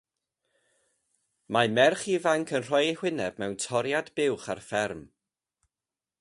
Mae merch ifanc yn rhoi ei hwyneb mewn toriad buwch ar fferm.